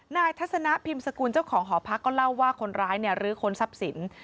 ทัศนะพิมพ์สกุลเจ้าของหอพักก็เล่าว่าคนร้ายรื้อค้นทรัพย์สิน